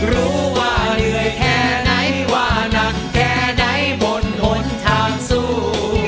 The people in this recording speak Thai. รู้ว่าเหนื่อยแค่ไหนว่านักแค่ไหนบนหนทางสู้